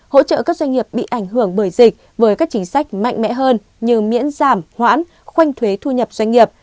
hỗ trợ các doanh nghiệp bị ảnh hưởng bởi dịch với các chính sách mạnh mẽ hơn như miễn giảm hoãn khoanh thuế thu nhập doanh nghiệp